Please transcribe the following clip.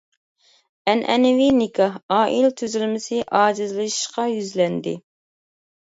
ئەنئەنىۋى نىكاھ، ئائىلە تۈزۈلمىسى ئاجىزلىشىشقا يۈزلەندى.